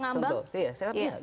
kepada pemilih pengambang